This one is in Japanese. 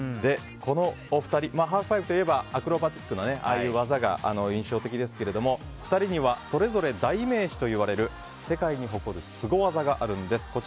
このお二人ハーフパイプといえばアクロバティックな技が印象的ですが２人にはそれぞれ代名詞といわれる世界に誇るスゴ技があるんです。